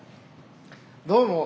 どうも。